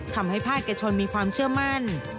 ทำให้ภาคเอกชนมีความเชื่อมั่น